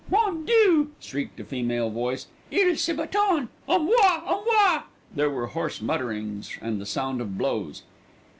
"Mon Dieu!" shrieked a female voice. "Il se battent. À moi! à moi!" There were hoarse mutterings and the sound of blows.